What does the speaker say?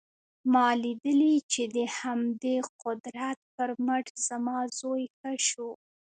ما لیدلي چې د همدې قدرت پر مټ زما زوی ښه شو